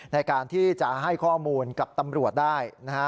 ในการที่จะให้ข้อมูลกับตำรวจได้นะฮะ